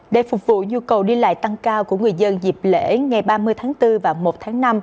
để phục vụ nhu cầu đi lại tăng cao của người dân dịp lễ ngày ba mươi tháng bốn và một tháng năm